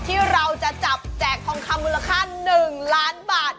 ที่เราจะจับแจกทองคำมูลค่า๑ล้านบาท